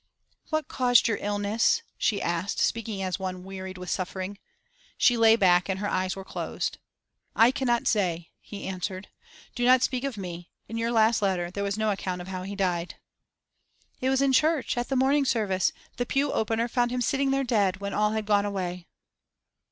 'What caused your illness?' she asked, speaking as one wearied with suffering. She lay back, and her eyes were closed. 'I cannot say,' he answered. 'Do not speak of me. In your last letter there was no account of how he died.' 'It was in church, at the morning service. The pew opener found him sitting there dead, when all had gone away.